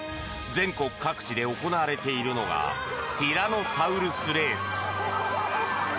全国各地で行われているのがティラノサウルスレース。